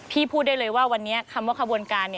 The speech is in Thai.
พูดได้เลยว่าวันนี้คำว่าขบวนการ